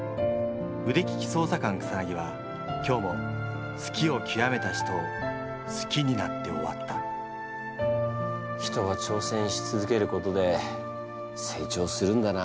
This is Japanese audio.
腕利き捜査官草は今日も好きを極めた人を好きになって終わった人は挑戦し続けることで成長するんだなあ。